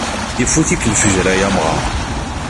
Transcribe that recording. Ifut-ik lefjer ay amɣar.